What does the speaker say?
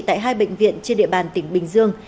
tại hai bệnh viện trên địa bàn tỉnh bình dương